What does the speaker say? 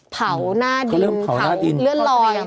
เผาหน้าดินเผาเลื่อนลอย